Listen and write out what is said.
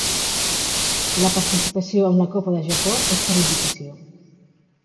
La participació en la Copa del Japó és per invitació.